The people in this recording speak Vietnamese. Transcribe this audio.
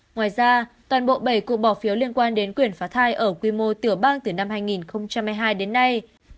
ngoài ra toàn bộ bảy cuộc bỏ phiếu liên quan đến quyền phá thai ở quy mô tiểu bang từ năm hai nghìn hai mươi hai đến nay